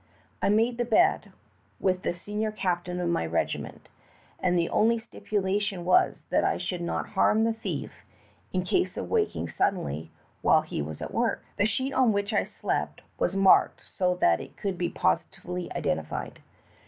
I made the bet with the senior eaptain of my regiment, and the only stipu lation was that I should not harm the thief in ease of waking suddenly while he was at work. "The sheet on whieh I slept was marked so that it eould be positively identified.